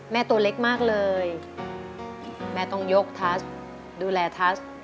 ตัวเล็กมากเลยแม่ต้องยกทัชดูแลทัศ